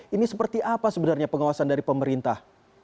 ini seperti apa sebenarnya pengawasan dari pemerintah